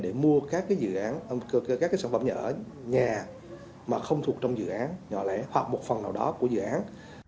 để mua các cái dự án các cái sản phẩm nhà mà không thuộc trong dự án nhỏ lẻ hoặc một phần nào đó của dự án